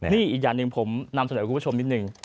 นี่อีกอย่างหนึ่งผมนำเสนอคุณผู้ชมนิดนึง